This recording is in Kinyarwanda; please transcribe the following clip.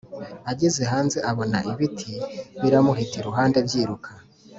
ageze hanze abona ibiti biramuhita iruhande byiruka,